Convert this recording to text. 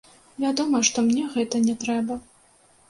Вядома, што мне гэта не трэба.